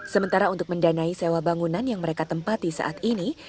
sementara untuk mendanai sewa bangunan yang mereka tempati saat ini